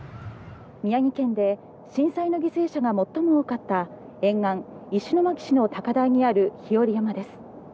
宮城県で震災の犠牲者が最も多かった沿岸、石巻市の高台にある日和山です。